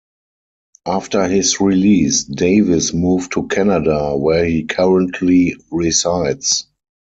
After his release, Davis moved to Canada, where he currently resides.